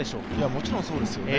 もちろんそうですよね。